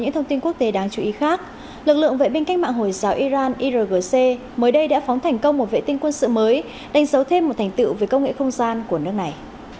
những thông tin quốc tế đáng chú ý khác lực lượng vệ binh cách mạng hồi giáo iran irgc mới đây đã phóng thành công một vệ tinh quân sự mới đánh dấu thêm một thành tựu về công nghệ không gian của nước này